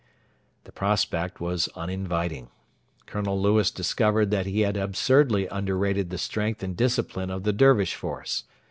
The prospect was uninviting. Colonel Lewis discovered that he had absurdly under rated the strength and discipline of the Dervish force.